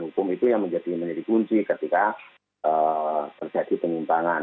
hukum itu yang menjadi kunci ketika terjadi penyimpangan